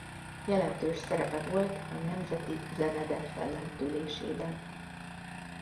Jelentős szerepe volt a Nemzeti Zenede fellendülésében.